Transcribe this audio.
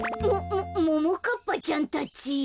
もももかっぱちゃんたち。